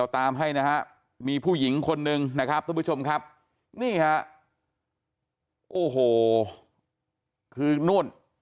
ตามให้มีผู้หญิงจุงคนหนึ่งนี่ค่ะ